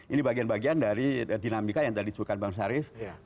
ini bagian bagian dari dinamika yang tadi disebutkan bang syarif